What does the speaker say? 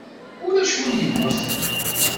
Ulac win yemmuten.